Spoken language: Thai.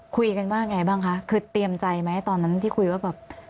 คุยกันว่าไงบ้างคะคือเตรียมใจไหมตอนนั้นที่คุยว่าแบบ